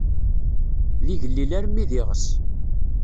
D igellil armi d iɣes.